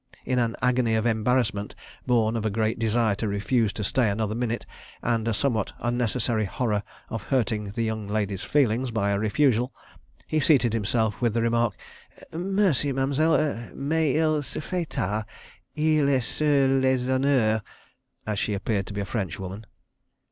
In an agony of embarrassment born of a great desire to refuse to stay another minute, and a somewhat unnecessary horror of hurting the young lady's feelings by a refusal, he seated himself with the remark: "Merci, mam'selle—mais il se fait tard. Il est sur les une heure ..." as she appeared to be a French woman.